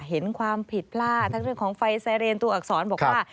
เห็นความผิดพลาดทั้งเรื่องของไฟไซเรนตัวอักษรบอกว่า